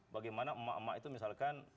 bagaimana emak emak itu misalkan